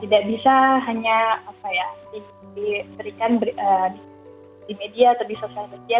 tidak bisa hanya diberikan di media atau di sosial media